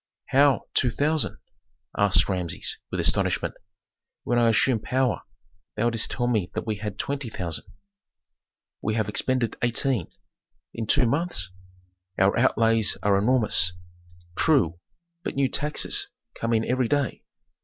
"How, two thousand?" asked Rameses, with astonishment. "When I assumed power thou didst tell me that we had twenty thousand." "We have expended eighteen." "In two months?" "Our outlays are enormous." "True, but new taxes come in every day."